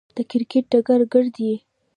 د کرکټ ډګر ګيردى يي.